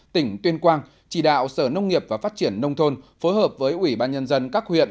tỉnh tuyên quang chỉ đạo sở nông nghiệp và phát triển nông thôn phối hợp với ủy ban nhân dân các huyện